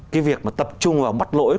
cái việc mà tập trung vào mất lỗi